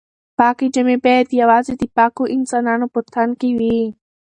پاکې جامې باید یوازې د پاکو انسانانو په تن کې وي.